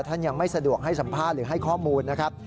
ท่านยังไม่สะดวกให้สัมภาษณ์หรือให้ข้อมูลนะครับ